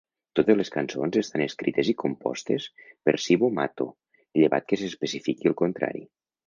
Totes les cançons estan escrites i compostes per Cibo Matto, llevat que s'especifiqui el contrari.